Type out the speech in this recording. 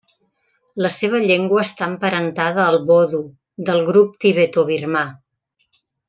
La seva llengua està emparentada al bodo, del grup tibetobirmà.